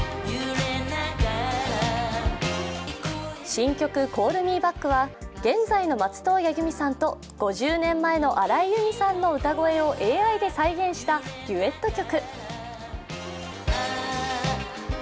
新曲「Ｃａｌｌｍｅｂａｃｋ」は、現在の松任谷由実さんと５０年前の荒井由実さんの歌声をＡＩで再現したデュエット曲。